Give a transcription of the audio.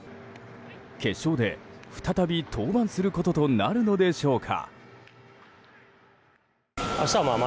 決勝で再び登板することとなるのでしょうか。